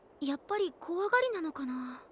やっぱりこわがりなのかな。